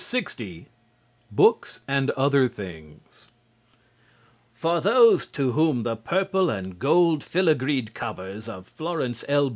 LX BOOKS AND OTHER THINGS For those to whom the purple and gold filigreed covers of Florence L.